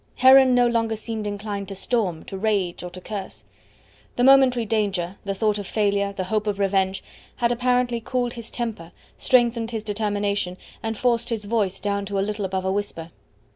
Heron no longer seemed inclined to storm, to rage, or to curse. The momentary danger, the thought of failure, the hope of revenge, had apparently cooled his temper, strengthened his determination, and forced his voice down to a little above a whisper.